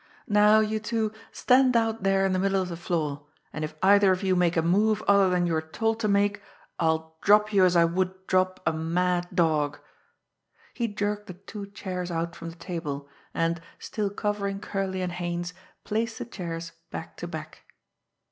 "Now, you two, stand out there in the middle of the floor and if either of you make a move other than you are told to make, I'll drop you as I would drop a mad dog!" He jerked the two chairs out from the table, and, still covering Curley and Haines, placed the chairs back to back.